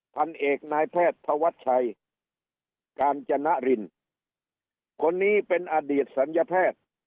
พันเอกนายแพทย์ธวัชชัยกาญจนรินคนนี้เป็นอดีตศัลยแพทย์